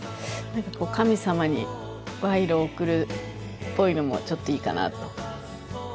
神様に賄賂を贈るっぽいのもちょっといいかなと。